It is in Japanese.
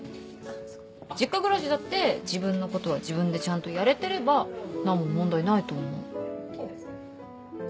実家暮らしだって自分のことは自分でちゃんとやれてれば何も問題ないと思う。